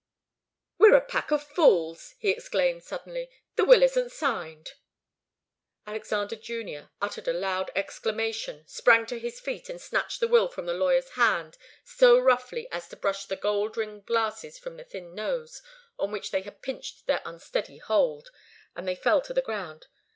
"We're a pack of fools!" he exclaimed, suddenly. "The will isn't signed." Alexander Junior uttered a loud exclamation, sprang to his feet, and snatched the will from the lawyer's hand so roughly as to brush the gold rimmed glasses from his thin nose, on which they had pinched their unsteady hold, and they fell to the ground.